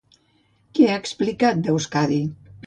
Què ha explicat d'Euskadi?